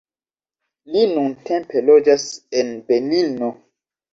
Li nuntempe loĝas en Benino.